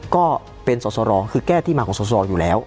ก็เป็นสอสรคือแก้ที่มาของสสอยู่แล้ว